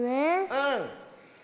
うん。